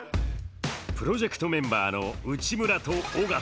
プロジェクトメンバーの内村と尾形。